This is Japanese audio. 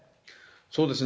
そうですね。